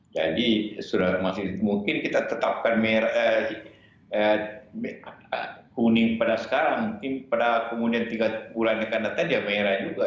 jadi sudah masih mungkin kita tetapkan kuning pada sekarang mungkin pada kemudian tiga bulan dekatnya merah juga